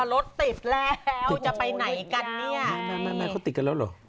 รถติดแล้วจะไปไหนกันเนี่ยไม่ไม่เขาติดกันแล้วเหรอ